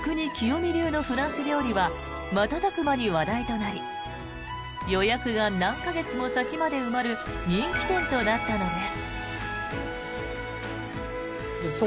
三流のフランス料理は瞬く間に話題となり予約が何か月も先まで埋まる人気店となったのです。